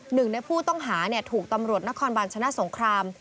หนึ่งในผู้ต้องหาถูกตำรวจนครบาลชนะสงคราม